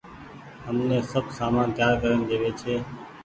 همني سب سامان تيآر ڪرين ۮيوي ڇي۔